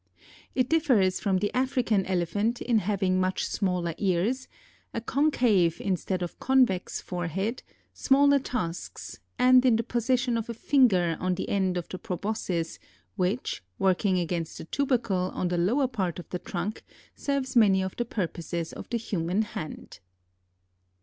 It differs from the African Elephant in having much smaller ears, a concave instead of convex forehead, smaller tusks, and in the possession of a finger on the end of the proboscis which, working against a tubercle on the lower part of the trunk, serves many of the purposes of the human hand.